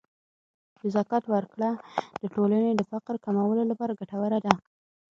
د زکات ورکړه د ټولنې د فقر کمولو لپاره ګټوره ده.